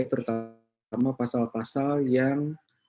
terutama pasal pasal yang